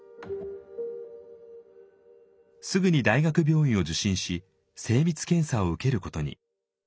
すぐに大学病院を受診し精密検査を受けることに。